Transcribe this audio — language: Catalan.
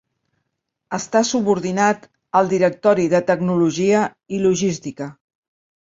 Està subordinat al Directori de Tecnologia i Logística.